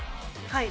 はい。